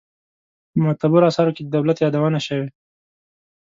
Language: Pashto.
په معتبرو آثارو کې د دولت یادونه شوې.